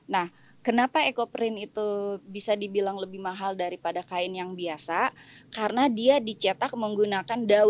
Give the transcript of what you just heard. nah kenapa ekoprint itu bisa dibilang lebih mahal daripada kain yang biasa karena dia dicetak menggunakan daun